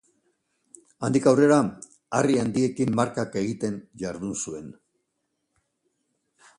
Handik aurrera, harri handiekin markak egiten jardun zuen.